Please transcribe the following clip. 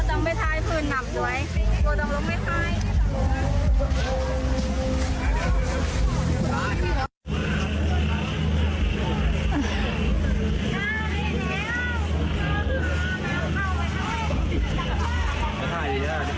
โอ้ผมอยากลุ้มมาไทยฟื้นหนักด้วยต้องลุกไทย